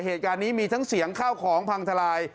เหตุการณ์นี้มีทั้งเสียงข้าวของพังทลาย